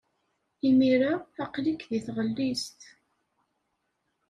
Imir-a, aql-ik deg tɣellist.